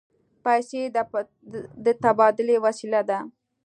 پیسې د تبادلې وسیله ده.